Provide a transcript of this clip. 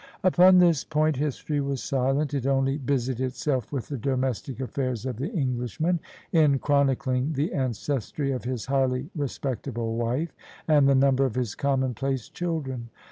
Upon this point history was silent: it only busied itself with the domestic affairs of the Englishman — in chronicling the ancestry of his highly respectable wife and the number of his commonplace children.